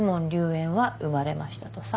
炎は生まれましたとさ